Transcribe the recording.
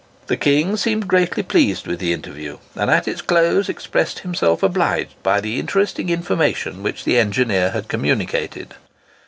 The king seemed greatly pleased with the interview, and at its close expressed himself obliged by the interesting information which the engineer had communicated.